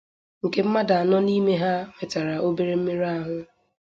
nke mmadụ anọ n'ime ha nwètara obere mmerụahụ